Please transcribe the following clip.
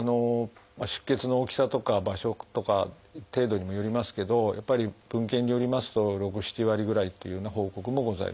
出血の大きさとか場所とか程度にもよりますけどやっぱり文献によりますと６７割ぐらいというような報告もございます。